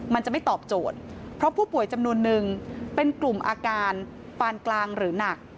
มันจะไม่ตอบโจทย์เพราะผู้ป่วยจำนวนนึงเป็นกลุ่มอาการปานกลางหรือหนัก